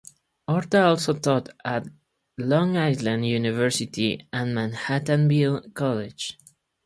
Orta also taught at Long Island University and Manhattanville College.